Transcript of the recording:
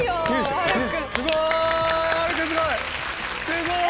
すごい！